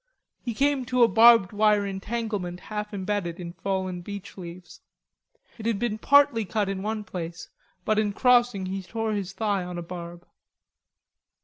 He came to a barbed wire entanglement half embedded in fallen beech leaves. It had been partly cut in one place, but in crossing he tore his thigh on a barb.